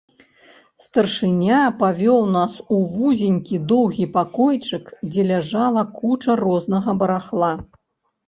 Старшыня павёў нас у вузенькі, доўгі пакойчык, дзе ляжала куча рознага барахла.